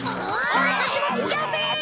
おれたちもつきあうぜ！